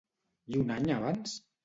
I un any abans?